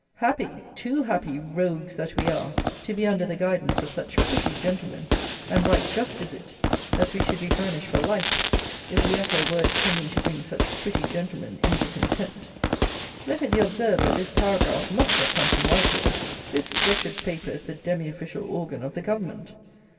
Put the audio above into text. Happy, too happy, rogues that we are, to be under the guidance of such pretty gentlemen, and right just is it that we should be banished for life, if we utter a word tending to bring such pretty gentlemen into contempt. Let it be observed, that this paragraph must have come from Whitehall. This wretched paper is the demi official organ of the Government.